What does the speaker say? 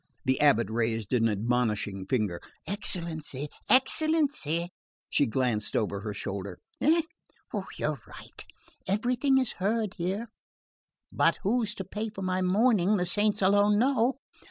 The abate raised an admonishing finger. "Excellency...excellency..." She glanced over her shoulder. "Eh? You're right. Everything is heard here. But who's to pay for my mourning the saints alone know!